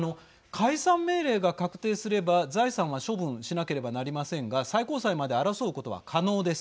解散命令が確定すれば財産は処分しなければなりませんが最高裁まで争うことは可能です。